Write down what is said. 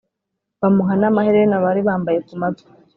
bamuha n amaherena bari bambaye ku matwi